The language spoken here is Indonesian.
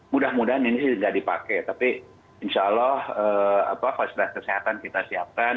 mudah mudahan ini tidak dipakai tapi insya allah fasilitas kesehatan kita siapkan